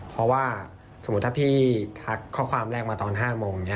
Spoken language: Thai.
เพราะว่าสมมุติถ้าพี่ทักข้อความแรกมาตอน๕โมง